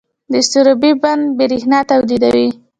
د سروبي بند بریښنا تولیدوي